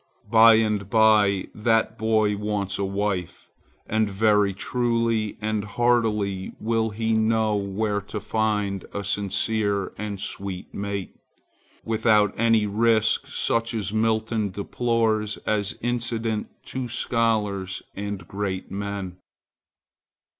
By and by that boy wants a wife, and very truly and heartily will he know where to find a sincere and sweet mate, without any risk such as Milton deplores as incident to scholars and great men.